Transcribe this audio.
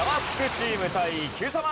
チーム対Ｑさま！！